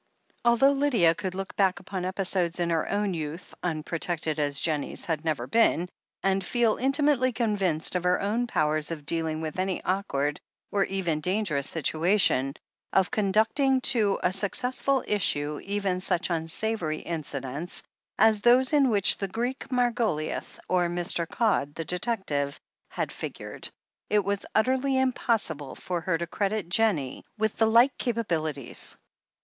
Although Lydia could look back upon episodes in her own youth, unprotected as Jennie's had never been, and feel intimately convinced of her own powers of dealing with any awkward or even dangerous situation, of conducting to a successful issue even such unsavoury incidents as those in which the Greek, Margoliouth, or Mr. Codd, the detective, had figured — it was utterly impossible for her to credit Jennie with the like capa bilities.